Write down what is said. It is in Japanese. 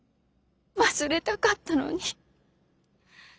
忘れたかったのに。